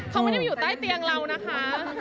เขาไม่ได้มาอยู่ใต้เตียงเรานะคะ